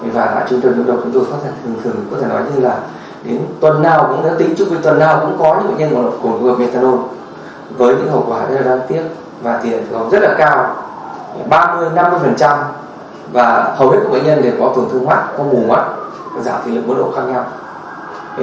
và trung trường ngộ độc chúng tôi có thể nói như là đến tuần nào cũng đã tính trước khi tuần nào cũng có những bệnh nhân gồm methanol với những hậu quả rất là đáng tiếc và tiền gồm rất là cao ba mươi năm mươi và hầu hết các bệnh nhân có tổn thương mạnh có ngủ mạnh giảm thiệt mức độ khác nhau